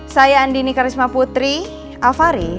saya andini karisma putri alfahri